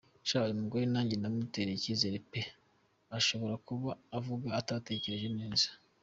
sha uyumugore nage mutereye ikizere pe, ashobora kuba avuga atatekereje neza.